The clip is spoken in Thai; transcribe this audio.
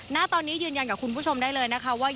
ณตอนนี้ยืนยันกับคุณผู้ชมได้เลยนะคะว่า